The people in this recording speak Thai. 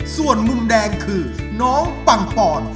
ส่วนมุมแดงคือน้องปังปอน